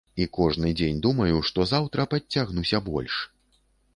І кожны дзень думаю, што заўтра падцягнуся больш.